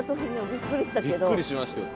びっくりしましたよ。